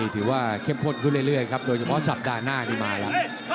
หนูถือว่าเข้มพฤตรวินเรื่อยครับโดยสัปดาห์หน้านี้มาละ